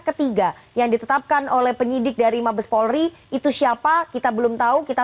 ketiga yang ditetapkan oleh penyidik dari mabes polri itu siapa kita belum tahu kita